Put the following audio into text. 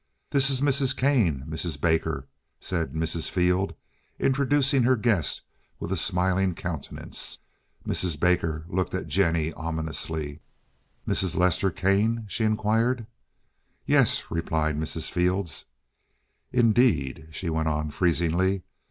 "This is Mrs. Kane, Mrs. Baker," said Mrs. Field, introducing her guests with a smiling countenance. Mrs. Baker looked at Jennie ominously. "Mrs. Lester Kane?" she inquired. "Yes," replied Mrs. Fields. "Indeed," she went on freezingly.